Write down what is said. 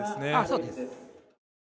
そうです。